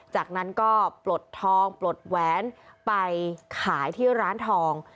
จากนั้นก็ปลดทองปลดแหวนไปขายที่ร้านทอง